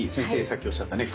さっきおっしゃったね